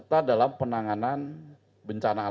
ketahuan tentang perkembangan